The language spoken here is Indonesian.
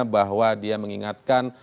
bahwa dia mengingatkan